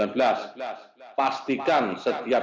pastikan setiap kita ini berkembang